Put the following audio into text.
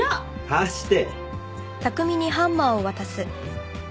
貸して。